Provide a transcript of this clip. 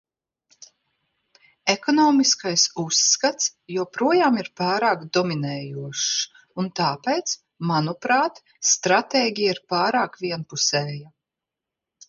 Ekonomiskais uzskats joprojām ir pārāk dominējošs un tāpēc, manuprāt, stratēģija ir pārāk vienpusēja.